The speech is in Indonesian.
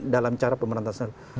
dalam cara pemberantasan